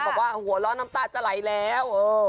บอกว่าหัวร้อนน้ำตาจะไหลแล้ว